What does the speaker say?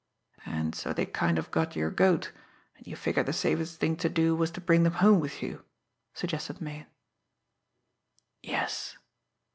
"And so they kind of got your goat, and you figured the safest thing to do was to bring them home with you?" suggested Meighan. "Yes."